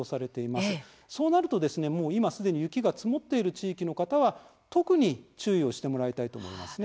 そうなると、もう今すでに雪が積もっている地域の方は特に注意をしてもらいたいと思いますね。